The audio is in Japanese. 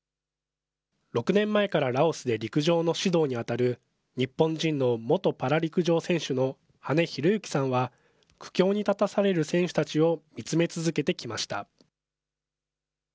６年前からラオスで陸上の指導に当たる、日本人の元パラ陸上選手の羽根裕之さんは、苦境に立たされる選手たちを見つめ続けてきました。